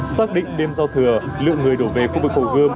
xác định đêm giao thừa lượng người đổ về khu vực hồ gươm